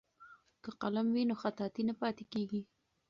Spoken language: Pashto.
که قلم وي نو خطاطي نه پاتې کیږي.